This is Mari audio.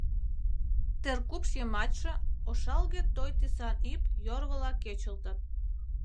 теркупш йымачше ошалге-той тӱсан ӱп йорвыла кечылтыт;